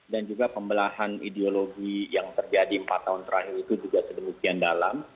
dan juga pembelahan ideologi yang terjadi empat tahun terakhir itu juga sedemukian dalam